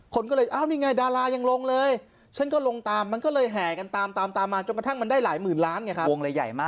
คนก็เลยอ้าวนี่ไงดารายังลงเลยฉันก็ลงตามมันก็เลยแห่กันตามตามมาจนกระทั่งมันได้หลายหมื่นล้านไงครับวงเลยใหญ่มาก